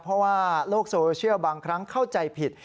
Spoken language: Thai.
เพราะว่าโลกโซเชียลบางครั้งเข้าใจผิด